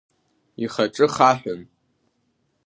Ихаҿы хаҳәын.